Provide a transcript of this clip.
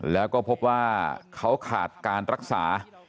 แล้วก็พบว่าเขาขาดการรักษา